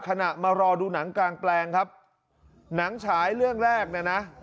มารอดูหนังกลางแปลงครับหนังฉายเรื่องแรกเนี่ยนะ